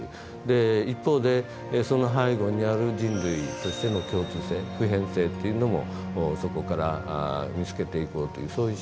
一方でその背後にある人類としての共通性普遍性っていうのもそこから見つけていこうというそういう姿勢。